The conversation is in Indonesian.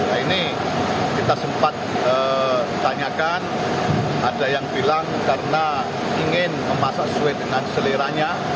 nah ini kita sempat tanyakan ada yang bilang karena ingin memasak sesuai dengan seleranya